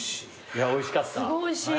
いやおいしかった。